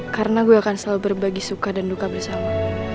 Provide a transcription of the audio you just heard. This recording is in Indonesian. karena gue akan selalu berbagi suka dan duka bersama